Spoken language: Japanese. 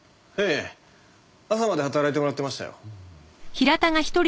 ええ朝まで働いてもらってましたよ。